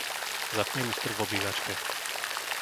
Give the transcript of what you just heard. Zapni luster v obývačke.